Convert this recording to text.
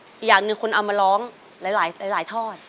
อีกอย่างหนึ่งคนเอามาร้องหลายทอด